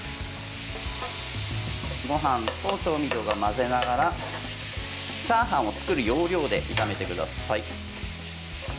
ごはんと調味料を混ぜながらチャーハンを作る要領で炒めてください。